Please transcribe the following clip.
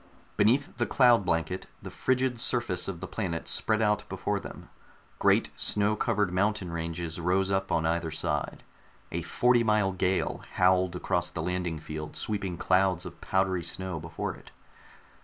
Beneath the cloud blanket, the frigid surface of the planet spread out before them. Great snow covered mountain ranges rose up on either side. A forty mile gale howled across the landing field, sweeping clouds of powdery snow before it.